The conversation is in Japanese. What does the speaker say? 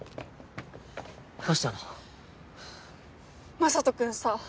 雅人君さ